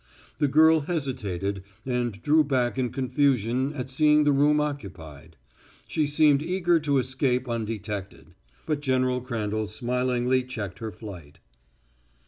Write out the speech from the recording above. The girl hesitated and drew back in confusion at seeing the room occupied; she seemed eager to escape undetected. But General Crandall smilingly checked her flight.